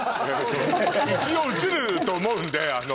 一応映ると思うんであの。